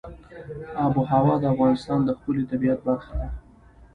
آب وهوا د افغانستان د ښکلي طبیعت برخه ده.